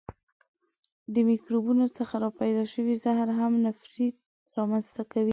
له میکروبونو څخه را پیدا شوی زهر هم نفریت را منځ ته کوي.